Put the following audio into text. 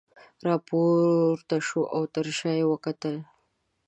راپورته شوه او تر شاه یې وکتل.